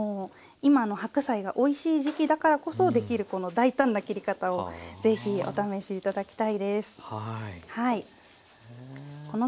今の白菜がおいしい時期だからこそできるこの大胆な切り方を是非お試し頂きたいです。